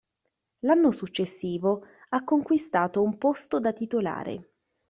L'anno successivo, ha conquistato un posto da titolare.